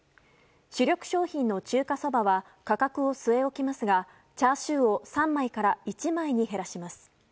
主力商品の中華そばは価格を据え置きますがチャーシューを３枚から１枚に減らします。